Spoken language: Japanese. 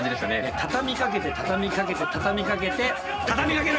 畳みかけて畳みかけて畳みかけて畳みかける！